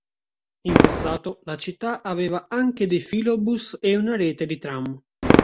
In passato la città aveva anche dei filobus e una rete di tram.